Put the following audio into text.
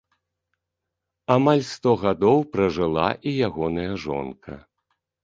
Амаль сто гадоў пражыла і ягоная жонка.